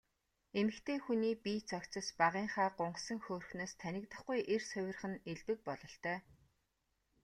Эмэгтэй хүний бие цогцос багынхаа гунхсан хөөрхнөөс танигдахгүй эрс хувирах нь элбэг бололтой.